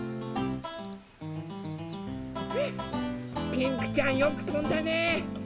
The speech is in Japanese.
ピンクちゃんよくとんだね。